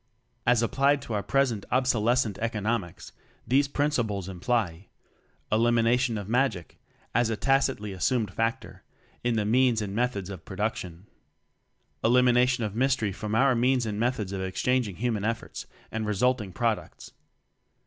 As applied to our present obso lescent economics these principles imply: Elimination of Magic (as a tacitly assumed factor) in the means and methods of production. Elimination of Mystery from our means and methods of exchanging human efforts and resulting products.